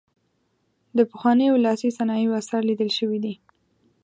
د پخوانیو لاسي صنایعو اثار لیدل شوي دي.